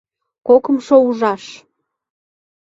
КОКЫМШО УЖАШ